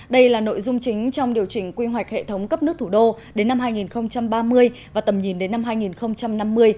đây là nội dung chính trong điều chỉnh quy hoạch hệ thống cấp nước thủ đô đến năm hai nghìn ba mươi và tầm nhìn đến năm hai nghìn năm mươi